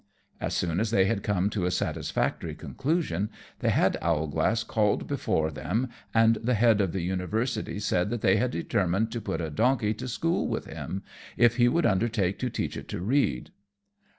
As soon as they had come to a satisfactory conclusion, they had Owlglass called before them, and the head of the university said that they had determined to put a donkey to school with him, if he would undertake to teach it to read.